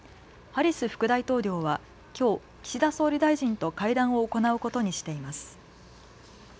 ハリス副大統領はきょう岸田総理大臣と会談を行うことにしています。